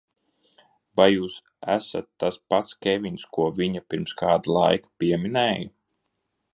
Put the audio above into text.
Vai jūs esat tas pats Kevins, ko viņa pirms kāda laika pieminēja?